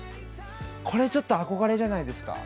これちょっと憧れじゃないですか。